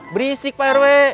berisik pak rw